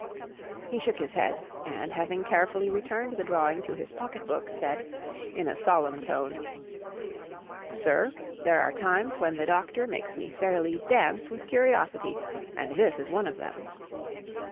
He shook his head, and, having carefully returned the drawing to his pocket book, said, in a solemn tone "Sir, there are times when the Doctor makes me fairly dance with curiosity. And this is one of them."